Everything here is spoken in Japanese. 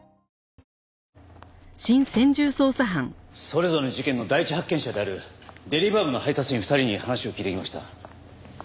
それぞれの事件の第一発見者であるデリバー部の配達員２人に話を聞いてきました。